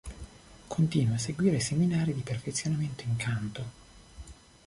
Continua a seguire seminari di perfezionamento in canto.